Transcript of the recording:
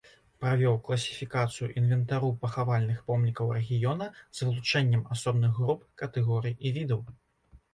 Правёў класіфікацыю інвентару пахавальных помнікаў рэгіёна з вылучэннем асобных груп, катэгорый і відаў.